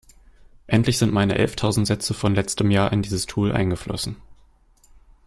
Endlich sind meine elftausend Sätze von letztem Jahr in dieses Tool eingeflossen.